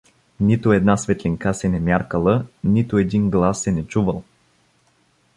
Нито една светлинка се не мяркала, нито един глас се не чувал.